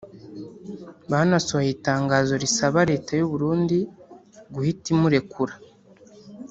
banasohoye itangazo risaba Leta y’u Burundi guhita imurekura